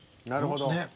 なるほどね。